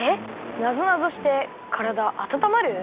なぞなぞしてからだあたたまる？